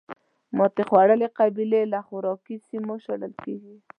ماتې خوړلې قبیله له خوراکي سیمو شړل کېږي.